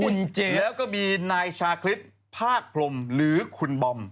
แล้วก็มีนายชาคลิปภาครปลมหรือคุณบอม